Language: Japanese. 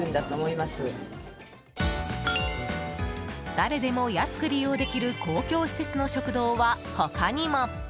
誰でも安く利用できる公共施設の食堂は他にも。